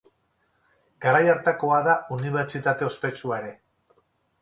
Garai hartakoa da Unibertsitate ospetsua ere.